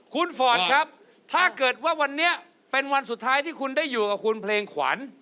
คุณฟอร์ดครับถ้าเกิดว่าวันนี้เป็นวันสุดท้ายที่คุณได้อยู่กับคุณเพลงขวัญ